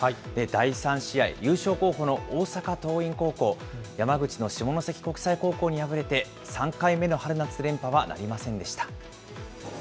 第３試合、優勝候補の大阪桐蔭高校、山口の下関国際高校に敗れて、３回目の春夏連覇はなりませんでした。